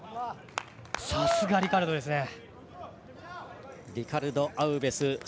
さすがリカルドですね。